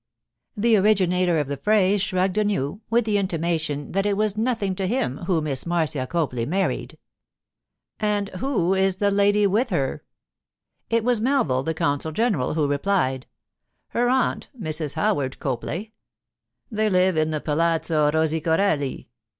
The originator of the phrase shrugged anew, with the intimation that it was nothing to him who Miss Marcia Copley married. 'And who is the lady with her?' It was Melville, the consul general, who replied. 'Her aunt, Mrs. Howard Copley. They live in the Palazzo Rosicorelli.